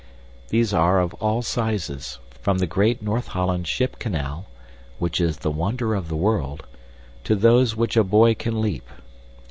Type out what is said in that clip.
These are of all sizes, from the great North Holland Ship Canal, which is the wonder of the world, to those which a boy can leap.